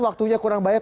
waktunya kurang banyak